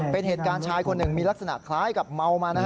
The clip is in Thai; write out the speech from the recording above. เป็นเหตุการณ์ชายคนหนึ่งมีลักษณะคล้ายกับเมามานะฮะ